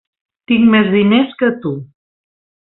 Tinc més diners que tu.